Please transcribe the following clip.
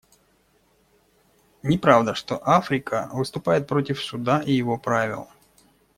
Неправда, что Африка выступает против Суда и его правил.